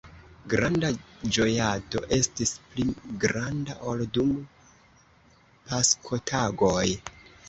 Granda ĝojado estis, pli granda ol dum Paskotagoj.